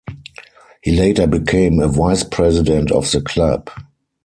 He later became a Vice-President of the Club.